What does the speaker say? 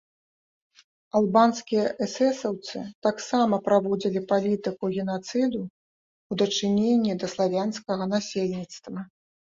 Албанскія эсэсаўцы таксама праводзілі палітыку генацыду ў дачыненні да славянскага насельніцтва.